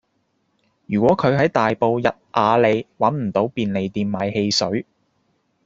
如果佢喺大埔逸雅里搵唔到便利店買汽水